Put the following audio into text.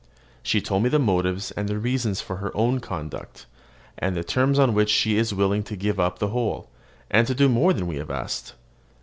She told me the motives and reasons of her own conduct, and the terms on which she is willing to give up the whole, and to do more than we have asked.